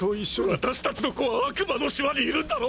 私たちの子は悪魔の島にいるんだろ